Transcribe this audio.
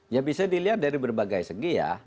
ya bisa dilihat dari berbagai segi ya